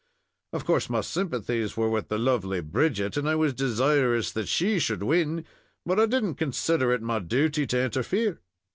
Of course, my sympathies were with the lovely Bridget, and I was desirous that she should win but I didn't consider it my duty to interfere.